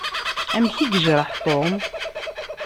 Amek i yejreḥ Tom?